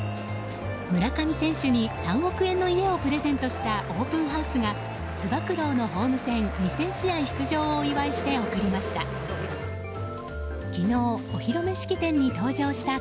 村上選手に３億円の家をプレゼントしたオープンハウスがつば九郎のホーム戦２０００試合の出場をお祝いして贈りました。